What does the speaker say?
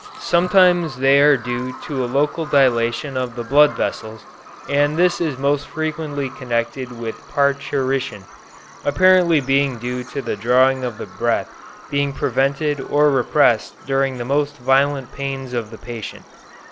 "Sometimes they are due to a local dilatation of the blood vessels, and this is most frequently connected with parturition, apparently being due to the drawing of the breath being prevented or repressed during the most violent pains of the patient.